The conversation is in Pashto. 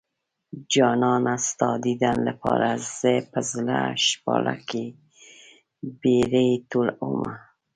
جانانه ستا ديدن لپاره زه په زړه شپاله کې بېرې ټولومه